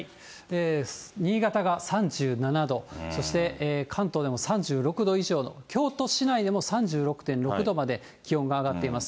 新潟が３７度、そして関東でも３６度以上の、京都市内でも３６．６度まで気温が上がっています。